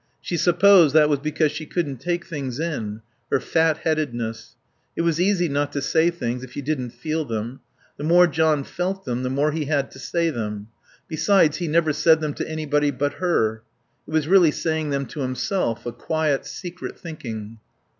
She supposed that was because she couldn't take things in. Her fatheadedness. It was easy not to say things if you didn't feel them. The more John felt them the more he had to say them. Besides, he never said them to anybody but her. It was really saying them to himself, a quiet, secret thinking.